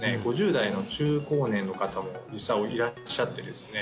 ５０代の中高年の方も実際いらっしゃってですね